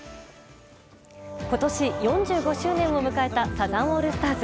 今年４５周年を迎えたサザンオールスターズ。